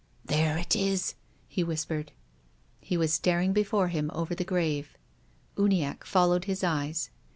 " There it is," he whispered. He was staring before him over the grave. Uni acke followed his eyes.